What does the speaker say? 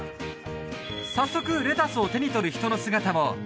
早速、レタスを手に取る人の姿も。